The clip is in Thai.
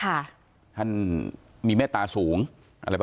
แล้วอันนี้ก็เปิดแล้ว